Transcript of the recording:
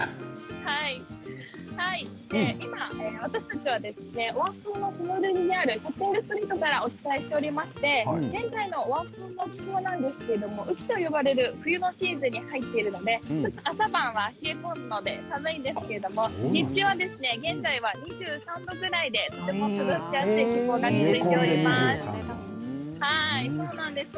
今、私たちはオアフ島のホノルルにあるショッピングストリートからお伝えしていまして現在のオアフ島の気候なんですけれども雨季と呼ばれる冬のシーズンに入っているので朝晩は冷え込むので寒いんですけれど日中は現在は２４度ぐらいでとても過ごしやすいようになっています。